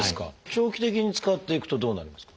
長期的に使っていくとどうなりますか？